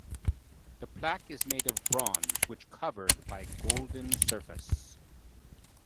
The plaque is made of bronze which covered by golden surface.